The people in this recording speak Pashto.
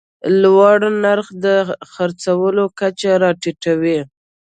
لوړ نرخ د خرڅلاو کچه راټیټوي.